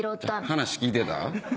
話聞いてた？